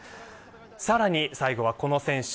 さらに最後はこの選手。